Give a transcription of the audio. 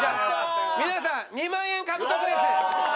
皆さん２万円獲得です！